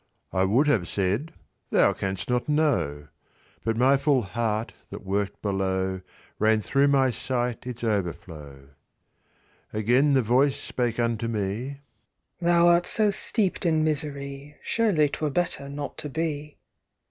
I would have said, "Thou canst not know," But my full heart, that work'd below, Rain'd thro' my sight its overflow. Again the voice spake unto me: "Thou art so steep'd in misery, Surely 'twere better not to be.